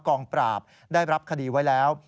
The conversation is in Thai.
กองปราบได้รับคดีไว้แล้ว